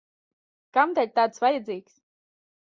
Kamdēļ tāds vajadzīgs?